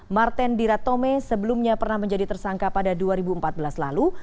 martin dira tome sebelumnya pernah menjadi tersangka pada dua ribu empat belas lalu